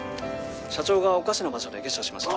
社長がおかしな場所で下車しました